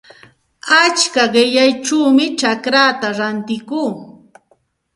Achka qillayćhawmi chacraata rantikuu.